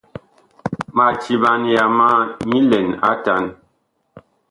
Ma timan yama nyi lɛn atan.